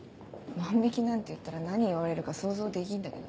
万引なんて言ったら何言われるか想像できるんだけど。